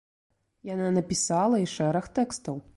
Яна напісала і шэраг тэкстаў.